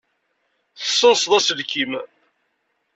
Tessenseḍ aselkim.